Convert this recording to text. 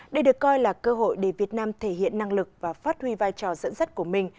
đây được coi là cơ hội để việt nam thể hiện năng lực và phát huy vai trò dẫn dắt của mình